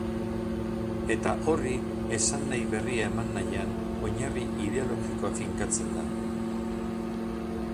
Eta horri esanahi berria eman nahian, oinarri ideologikoa finkatzen da.